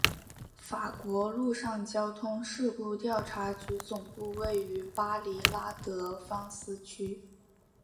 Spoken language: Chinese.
法国陆上交通事故调查局总部位于巴黎拉德芳斯区。